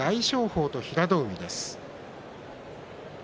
大翔鵬と平戸海です。